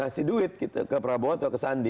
ngasih duit gitu ke prabowo atau ke sandi